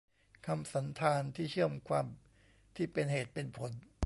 คำสันธานที่เชื่อมความที่เป็นเหตุเป็นผล